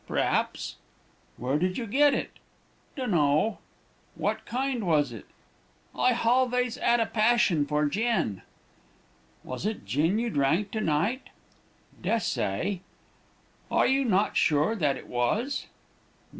"'P'r'aps.' "'Where did you get it?' "'Dun'no.' "'What kind was it?' "'I halvays 'ad a passion for gin.' "'Was it gin you drank to night?' "'Des'say.' "'Are you not sure that it was?'